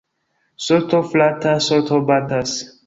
Sorto flatas, sorto batas.